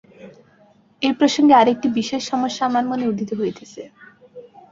এই প্রসঙ্গে আর একটি বিশেষ সমস্যা আমার মনে উদিত হইতেছে।